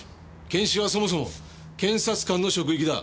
検視はそもそも検察官の職域だ。